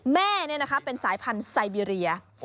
แม่เป็นสายพันธุ์ไซเบีเรีย